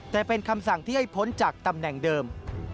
แต่เป็นคำสั่งที่ให้พ้นจากตำแหน่งเดิม